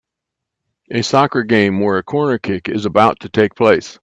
A soccer game where a corner kick is about to take place.